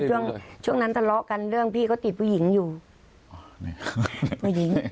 ช่วงช่วงนั้นทะเลาะกันเรื่องพี่ก็ติดผู้หญิงอยู่ผู้หญิง